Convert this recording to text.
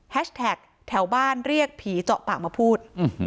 แท็กแถวบ้านเรียกผีเจาะปากมาพูด